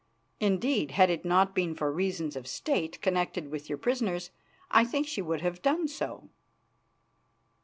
Indeed, had it not been for reasons of State connected with your prisoners I think she would have done so."